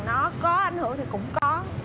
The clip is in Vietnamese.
nó có ảnh hưởng thì cũng có